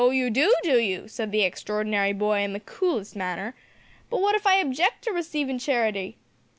you do, do you?' said the extraordinary boy in the coolest manner, `but wot if I objec' to receive charity?